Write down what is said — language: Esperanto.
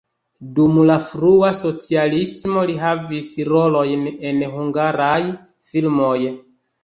Dum la frua socialismo li havis rolojn en hungaraj filmoj.